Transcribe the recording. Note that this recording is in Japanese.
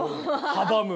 阻む。